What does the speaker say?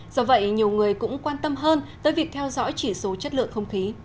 do vậy nhiều người cũng quan tâm hơn tới việc theo dõi chỉ số chất lượng không khí